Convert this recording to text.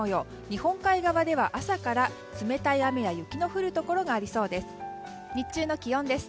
日本海側では朝から冷たい雨や雪の降るところがありそうです。